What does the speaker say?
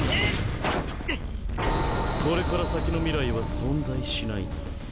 これから先の未来は存在しないのだ。